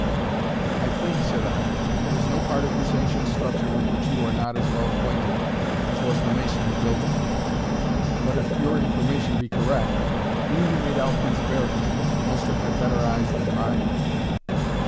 "I think," said I, "there is no part of this ancient structure with which you are not as well acquainted as was the mason who built it. But if your information be correct, he who made out these bearings must have had better eyes than mine."